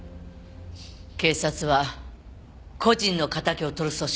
警察は個人の敵をとる組織じゃない。